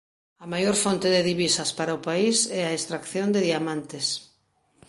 A maior fonte de divisas para o país é a extracción de diamantes.